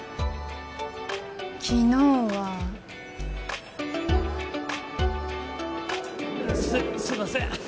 昨日はすいませんっ